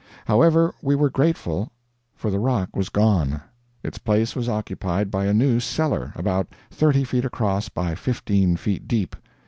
However, we were grateful, for the rock was gone. Its place was occupied by a new cellar, about thirty feet across, by fifteen feet deep.